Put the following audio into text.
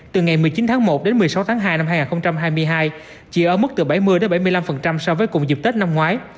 từ ngày một mươi chín tháng một đến một mươi sáu tháng hai năm hai nghìn hai mươi hai chỉ ở mức từ bảy mươi bảy mươi năm so với cùng dịp tết năm ngoái